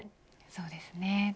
そうですね。